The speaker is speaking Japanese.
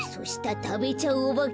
たべちゃうおばけ？